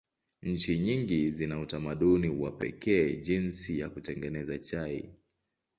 Nchi nyingi zina utamaduni wa pekee jinsi ya kutengeneza chai.